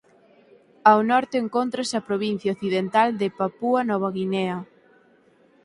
Ao norte encóntrase a provincia occidental de Papúa Nova Guinea.